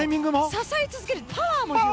支え続けるタワーも重要。